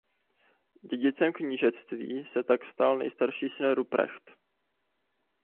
Dědicem knížectví se tak stal nejstarší syn Ruprecht.